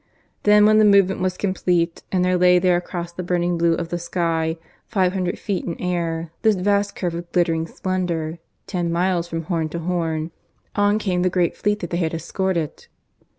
Then when the movement was complete, and there lay there across the burning blue of the sky, five hundred feet in air, this vast curve of glittering splendour, ten miles from horn to horn, on came the great fleet that they had escorted.